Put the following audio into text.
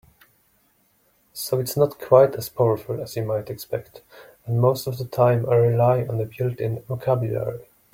So it's not quite as powerful as you might expect, and most of the time I rely on the built-in vocabulary.